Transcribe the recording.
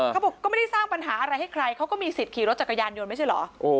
เขาบอกก็ไม่ได้สร้างปัญหาอะไรให้ใครเขาก็มีสิทธิ์ขี่รถจักรยานยนต์ไม่ใช่เหรอ